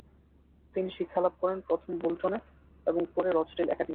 তিনি শিক্ষালাভ করেন প্রথমে বোল্টনে এবং পরে রচডেল অ্যাকাডেমিতে।